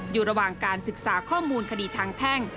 อยู่ระหว่างการศึกษาข้อมูลคดีทางแพ่ง